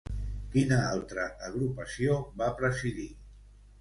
Quina altra agrupació va presidir?